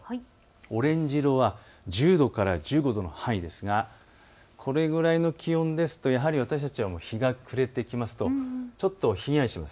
オレンジ色は１０度から１５度の範囲ですがこれぐらいの気温ですとやはり私たちは日が暮れてきますとちょっとひんやりします。